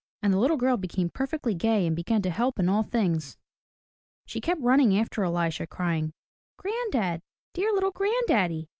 And the little girl became perfectly gay and began to help in all things. She kept running after Elisha crying, Granddad, dear little granddaddy!"